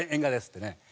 ってね。